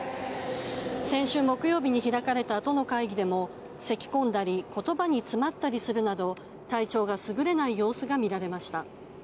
先週木曜日に開かれた都の会議でもせき込んだり言葉に詰まったりするなど体調が優れない様子が見られました。